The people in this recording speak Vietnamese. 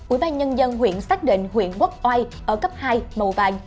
ủy ban nhân dân huyện xác định huyện quốc oai ở cấp hai màu vàng